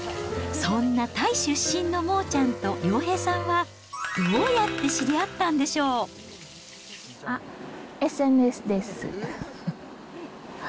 そんなタイ出身のモーちゃんと、洋平さんは、どうやって知りＳＮＳです。